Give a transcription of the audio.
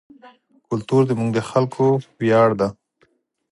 کلتور زموږ د خلکو ویاړ دی.